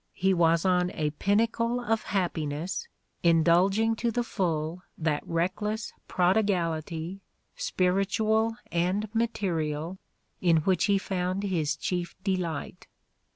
He was on a pinnacle of happiness, indulging to the full that reckless prodigal ity, spiritual and material, in which he found his chief delight.